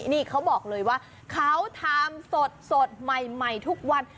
นี่เขาบอกเลยว่าเขาทำสดใหม่ทุกวัน